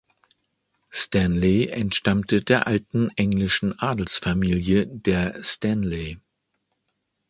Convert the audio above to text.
Stanley entstammte der alten englischen Adelsfamilie der Stanley.